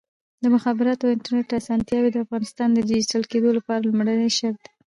د مخابراتو او انټرنیټ اسانتیاوې د افغانستان د ډیجیټل کېدو لپاره لومړنی شرط دی.